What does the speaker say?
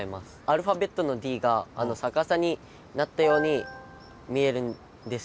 アルファベットのＤが逆さになったように見えるんですよ。